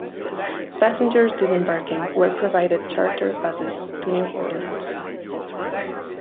Passengers disembarking were provided charter buses to New Orleans.